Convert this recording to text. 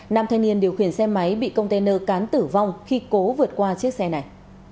nam thanh niên điều khiển xe máy bị container cán tử vong khi cố vượt qua chiếc xe này